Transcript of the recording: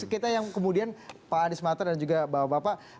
kita yang kemudian pak anies mata dan juga bapak bapak